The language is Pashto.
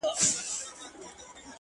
څوك به واچوي سندرو ته نومونه-